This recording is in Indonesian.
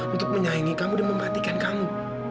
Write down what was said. untuk menyayangi kamu dan memperhatikan kamu